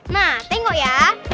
nah tengok ya